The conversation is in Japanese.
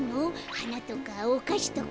はなとかおかしとか。